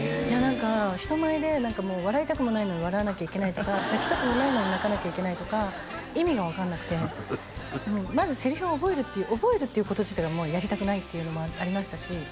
いや何か人前で笑いたくもないのに笑わなきゃいけないとか泣きたくもないのに泣かなきゃいけないとか意味が分かんなくてまずセリフを覚えるっていうこと自体がやりたくないっていうのもありましたし